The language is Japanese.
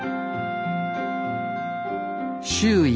周囲